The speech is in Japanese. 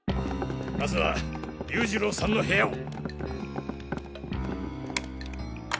まずは優次郎さんの部屋を。